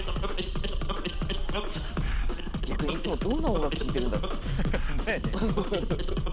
逆にいつもどんな音楽聴いてるんだろう？ホンマやね。